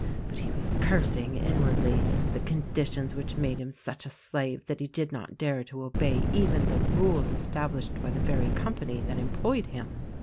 But he was cursing, inwardly, the conditions which made him such a slave that he did not dare to obey even the rules estab lished by the very company that employed him.